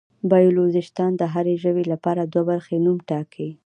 بایولوژېسټان د هر ژوي لپاره دوه برخې نوم ټاکي.